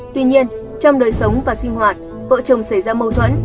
tuy nhiên trong đời sống và sinh hoạt vợ chồng xảy ra mâu thuẫn